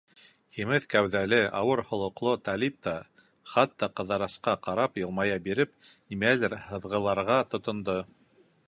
Һимеҙ кәүҙәле, ауыр холоҡло Талип та, хатта Ҡыҙырасҡа ҡарап йылмая биреп, нимәлер һыҙғыларға тотондо.